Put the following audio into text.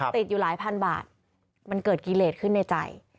ติดอยู่หลายพันบาทมันเกิดกิเลสขึ้นในใจ